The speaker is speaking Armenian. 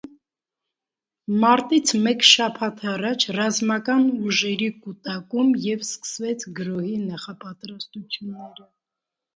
Մարտից մեկ շաբաթ առաջ ռազմական ուժերի կուտակում և սկսվեց գրոհի նախապատրաստությունները։